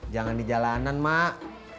jangan di jalanan mak